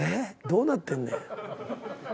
どうなってんねや？